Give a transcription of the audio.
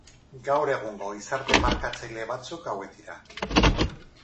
Gaur egungo gizarte-markatzaile batzuk hauek dira.